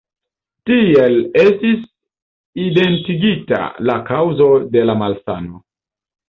Tiel estis identigita la kaŭzo de la malsano.